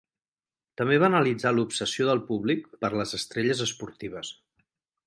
També va analitzar l'obsessió del públic per les estrelles esportives.